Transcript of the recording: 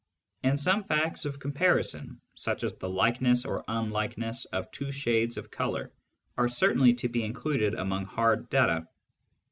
And some facts of com parison, such as the likeness or unlikeness of two shades of colour, are certainly to be included among hard data.